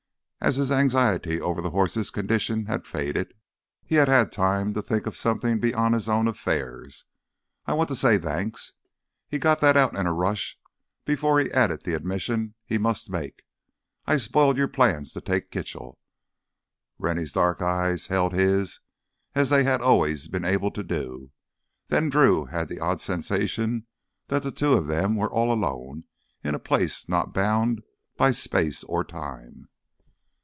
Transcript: As his anxiety over the horse's condition had faded, he had had time to think of something beyond his own affairs. "I want to say thanks." He got that out in a rush before he added the admission he must make: "I spoiled your plan to take Kitchell." Rennie's dark eyes held his as they had always been able to do. Then Drew had the odd sensation that the two of them were all alone in a place not bound by space or time.